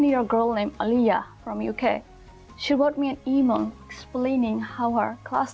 dia menolak kerjaan dan terlepas di interviu kerjaan